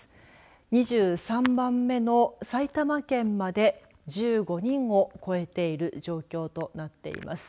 ２３番目の埼玉県まで１５人を超えている状況となっています。